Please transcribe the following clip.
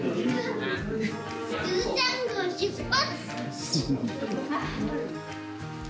すずちゃん号出発！